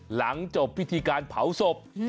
หลังจบพิธีการเผาศพ